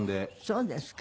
そうですか。